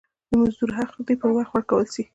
د مزدور حق دي پر وخت ورکول سي.